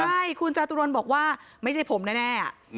ใช่คุณจตุรนบอกว่าไม่ใช่ผมแน่